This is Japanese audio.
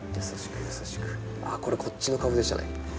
あっこれこっちの株でしたね。